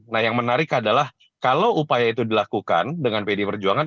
nah yang menarik adalah kalau upaya itu dilakukan dengan pdi perjuangan